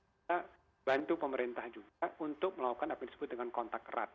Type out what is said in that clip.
kita bantu pemerintah juga untuk melakukan apa yang disebut dengan kontak erat